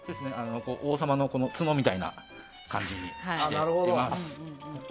王様の角みたいな感じにしています。